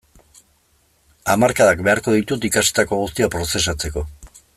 Hamarkadak beharko ditut ikasitako guztia prozesatzeko.